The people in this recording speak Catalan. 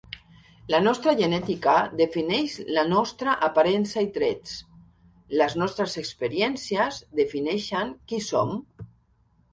La nostra genètica defineix la nostra aparença i trets. Les nostres experiències defineixen qui som.